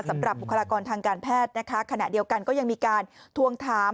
บุคลากรทางการแพทย์นะคะขณะเดียวกันก็ยังมีการทวงถาม